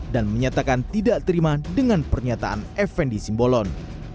dan menyatakan tidak terima dengan pernyataan effendi simbolon